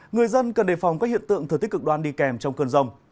người dân cần đề phòng các hiện tượng thừa tích cực đoan đi kèm trong cơn rông